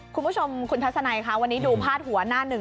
คุณผู้ชมคุณทัศนัยค่ะวันนี้ดูพาดหัวหน้าหนึ่ง